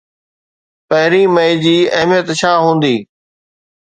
پهرين مئي جي اهميت ڇا هوندي؟